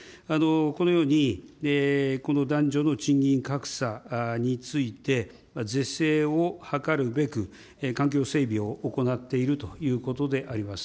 このように、この男女の賃金格差について、是正を図るべく、環境整備を行っているということであります。